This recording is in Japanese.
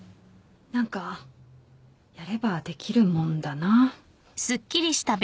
何かやればできるもんだな。